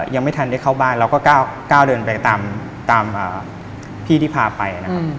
ยังไม่ทันได้เข้าบ้านเราก็ก้าวเดินไปตามพี่ที่พาไปนะครับ